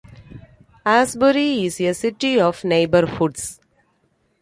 Asbury is a city of neighborhoods.